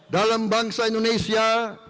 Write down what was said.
dalam bangsa indonesia